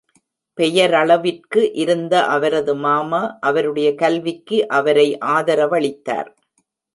பெயரளவிற்கு இருந்த அவரது மாமா அவருடைய கல்விக்கு அவரை ஆதரவளித்தார்.